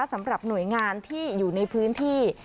สำหรับหน่วยงานที่อยู่ในพื้นที่